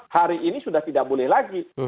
hari ini sudah tidak boleh lagi